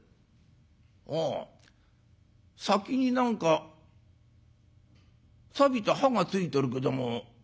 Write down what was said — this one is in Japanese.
ああ先に何かさびた刃がついてるけども。